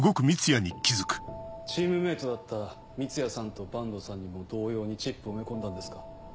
チームメートだった三ツ矢さんと板東さんにも同様にチップを埋め込んだんですか？